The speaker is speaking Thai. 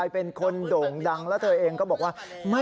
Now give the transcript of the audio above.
เป็นคนโด่งดังแล้วเธอเองก็บอกว่า